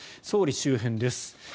総理周辺です。